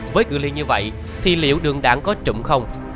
với cự ly như vậy thì liệu đường đạn có trụng không